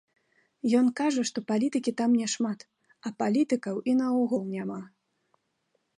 Ён кажа, што палітыкі там няшмат, а палітыкаў і наогул няма.